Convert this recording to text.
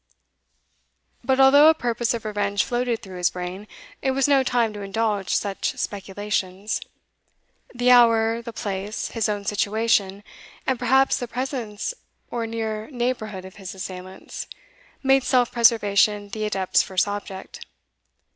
But although a purpose of revenge floated through his brain, it was no time to indulge such speculations. The hour, the place, his own situation, and perhaps the presence or near neighbourhood of his assailants, made self preservation the adept's first object.